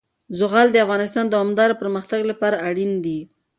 زغال د افغانستان د دوامداره پرمختګ لپاره اړین دي.